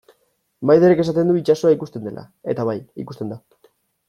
Maiderrek esaten du itsasoa ikusten dela, eta bai, ikusten da.